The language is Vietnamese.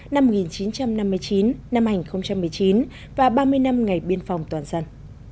năm một nghìn chín trăm năm mươi chín hai nghìn một mươi chín và ba mươi năm ngày biên phòng toàn dân